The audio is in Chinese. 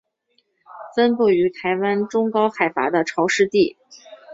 分布于台湾中高海拔的潮湿地。